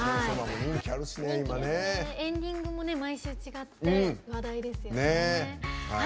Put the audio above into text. エンディングも毎週違って話題ですよね。